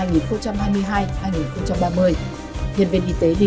giai đoạn hai nghìn hai mươi hai hai nghìn ba mươi hiện viên y tế đi